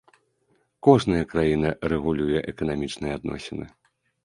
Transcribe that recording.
Кожная краіна рэгулюе эканамічныя адносіны.